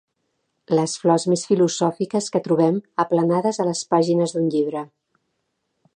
Les flors més filosòfiques que trobem aplanades a les pàgines d'un llibre.